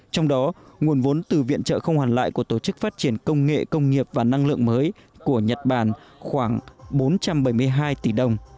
trong đó nguồn vốn từ viện trợ không hoàn lại của tổ chức phát triển công nghệ công nghiệp và năng lượng mới của nhật bản khoảng bốn trăm bảy mươi hai tỷ đồng